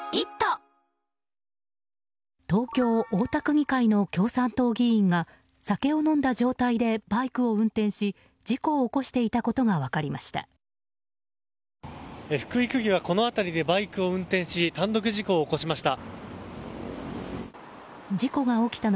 東京・大田区議会の共産党議員が酒を飲んだ状態でバイクを運転し事故を起こしていたことが分かりました。